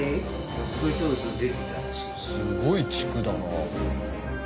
すごい地区だな。